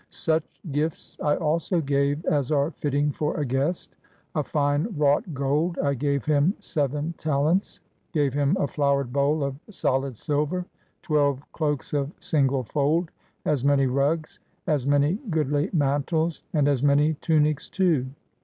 Such gifts I also gave as are fitting for a guest: of fine wrought gold I gave him seven talents, gave him a flowered bowl of soUd silver, twelve cloaks of single fold, as many rugs, as many goodly mantles, and as many tunics too.